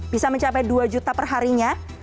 bisa mencapai dua juta perharinya